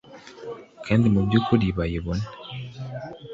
kandi mu by ukuri bayibone